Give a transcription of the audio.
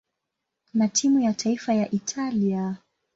na timu ya taifa ya Italia.